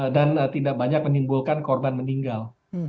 dan tidak banyak menimbulkan korban meninggal